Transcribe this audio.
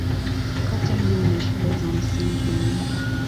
Kata hiyo ina shule za msingi nyingi.